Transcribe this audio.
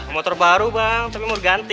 motor baru bang tapi mau ganti